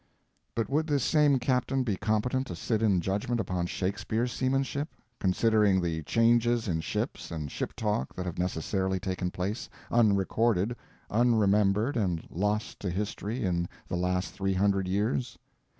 But would this same captain be competent to sit in judgment upon Shakespeare's seamanship—considering the changes in ships and ship talk that have necessarily taken place, unrecorded, unremembered, and lost to history in the last three hundred years?